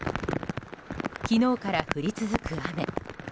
昨日から降り続く雨。